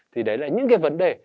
thì đấy là những cái vấn đề